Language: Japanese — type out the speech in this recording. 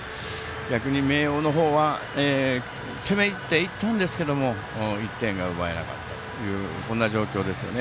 逆に明桜の方は攻め入っていったんですが１点が奪えなかったという状況ですよね。